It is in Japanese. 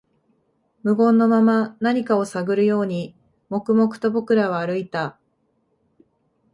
無言のまま、何かを探るように、黙々と僕らは歩いた